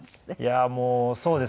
いやもうそうですね。